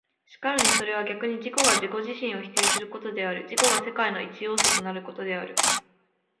然るにそれは逆に自己が自己自身を否定することである、自己が世界の一要素となることである。